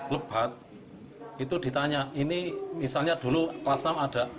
lebat itu ditanya ini misalnya dulu kelas enam ada